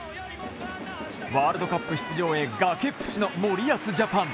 ワールドカップ出場へ崖っぷちの森保ジャパン。